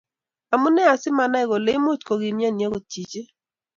Amune asimanai kole imuch kokiimiani agot chichi?